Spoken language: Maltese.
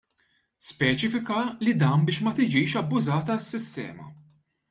Speċifika li dan biex ma tiġix abbużata s-sistema.